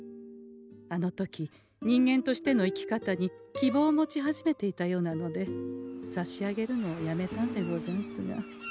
あの時人間としての生き方に希望を持ち始めていたようなので差し上げるのをやめたんでござんすが。